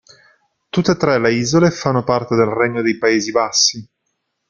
Tutte e tre le isole fanno parte del Regno dei Paesi Bassi.